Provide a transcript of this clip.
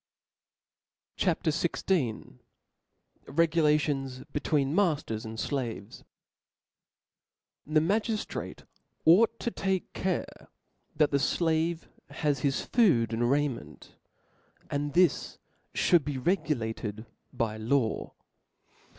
CHAP. XVI. Regulations between Makers and Slaves. T^HE magiftrati ought to take care that the ^ flave has his food and raiment; and this fhould be regulated by law.